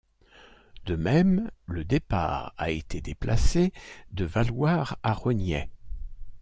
De même, le départ a été déplacé de Valloire à Rognaix.